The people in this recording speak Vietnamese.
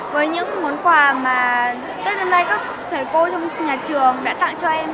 với những món quà mà tết năm nay các thầy cô trong nhà trường đã tặng cho em